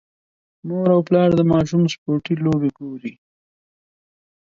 مور او پلار د ماشوم سپورتي لوبې ګوري.